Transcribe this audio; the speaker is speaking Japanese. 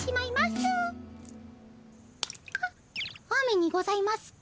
雨にございますか？